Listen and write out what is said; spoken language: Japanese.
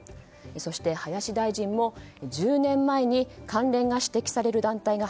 そして林大臣も１０年前に関連が指摘される団体が